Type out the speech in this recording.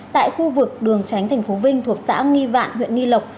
tại khu vực đường tránh tp vinh thuộc xã nghi vạn huyện nghi lộc